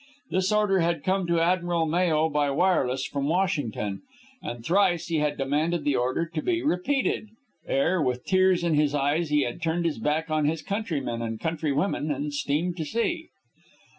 This order had come to Admiral Mayo by wireless from Washington, and thrice he had demanded the order to be repeated, ere, with tears in his eyes, he had turned his back on his countrymen and countrywomen and steamed to sea.